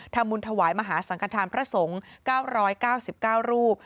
ทำบุญถวายมหาสังขทานพระสงฆ์๙๙๙รูป